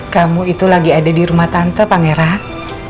kamu itu lagi ada di rumah tante pangeran